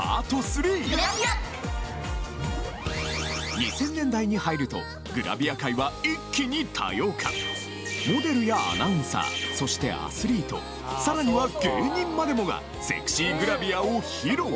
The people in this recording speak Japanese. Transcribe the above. ２０００年代に入るとグラビア界は一気に多様化モデルやアナウンサーそしてアスリートさらには芸人までもがセクシーグラビアを披露！